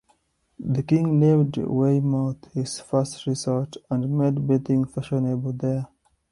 The king named Weymouth his 'first resort' and made bathing fashionable there.